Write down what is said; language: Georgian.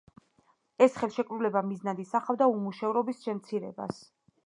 ეს ხელშეკრულება მიზნად ისახავდა უმუშევრობის შემცირებას.